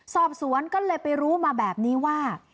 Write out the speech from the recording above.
สอบสวนก็เลยไปรู้มาแบบนี้ว่า